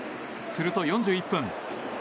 すると４１分。